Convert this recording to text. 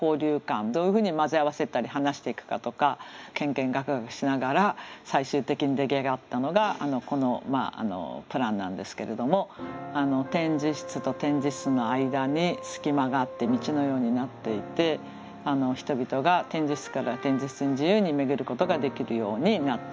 どういうふうに混ぜ合わせたりはなしていくかとかけんけんがくがくしながら最終的に出来上がったのがこのプランなんですけれども展示室と展示室の間に隙間があって道のようになっていて人々が展示室から展示室に自由に巡ることができるようになっています。